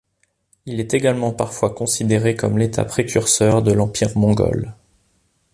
Il est également parfois considéré comme l'état précurseur de l'Empire mongol.